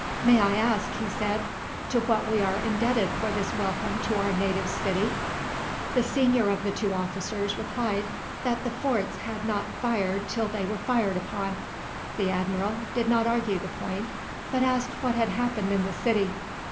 "May I ask," he said, "to what we are indebted for this welcome to our native city?" The senior of the two officers replied that the forts had not fired till they were fired upon. The Admiral did not argue the point, but asked what had happened in the city.